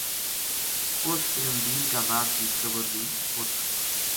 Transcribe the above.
اس علم دین کا باپ کی قبر بھی اُ